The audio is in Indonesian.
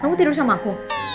kamu tidur sama aku